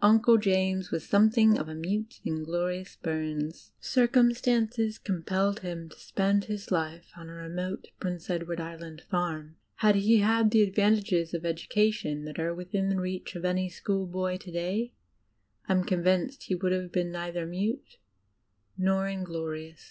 Uncle James was something of a "mute, inglorious" Bums. Circumstances compelled him to spend his life on a remote Prince Edward Island farm; had he had the advantages of education that are within reach of any schoolboy to day, I am convinced he would have been neither mute nor inglorious.